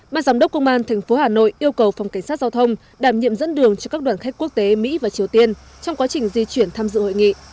bà giám đốc công an tp hà nội yêu cầu phòng cảnh sát giao thông đảm nhiệm dẫn đường cho các đoàn khách quốc tế mỹ và triều tiên trong quá trình di chuyển tham dự hội nghị